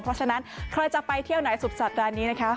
เพราะฉะนั้นใครจะไปเที่ยวไหนสุดสัปดาห์นี้นะคะ